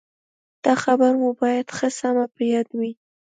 دا خبره مو باید ښه سمه په یاد وي.